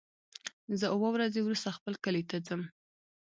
زه اووه ورځې وروسته خپل کلی ته ځم.